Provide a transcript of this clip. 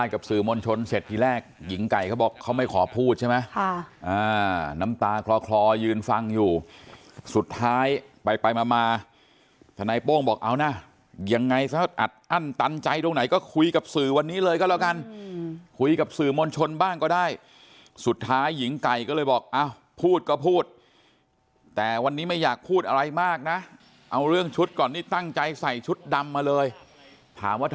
กับสื่อมวลชนเสร็จทีแรกหญิงไก่เขาบอกเขาไม่ขอพูดใช่ไหมน้ำตาคลอยืนฟังอยู่สุดท้ายไปไปมามาทนายโป้งบอกเอานะยังไงซะอัดอั้นตันใจตรงไหนก็คุยกับสื่อวันนี้เลยก็แล้วกันคุยกับสื่อมวลชนบ้างก็ได้สุดท้ายหญิงไก่ก็เลยบอกพูดก็พูดแต่วันนี้ไม่อยากพูดอะไรมากนะเอาเรื่องชุดก่อนนี่ตั้งใจใส่ชุดดำมาเลยถามว่าท